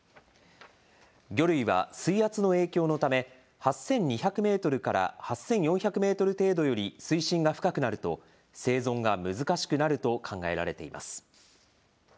魚類は水圧の影響のため８２００メートルから８４００メートル程度より水深が深くなると生存が難しくなると考えられています。